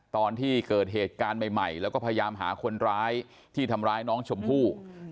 ตอนที่เกิดเหตุการณ์ใหม่แล้วก็พยายามหาคนร้ายที่ทำร้ายน้องชมพู่